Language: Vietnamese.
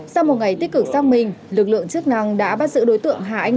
sau một ngày tích cực xác minh lực lượng chức năng đã bắt sự đối tượng